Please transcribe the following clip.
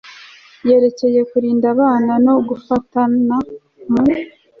yerekeye kurinda abana no gufatanya mu